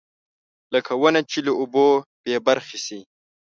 لکه ونه چې له اوبو بېبرخې شي.